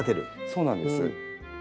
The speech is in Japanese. そうなんです。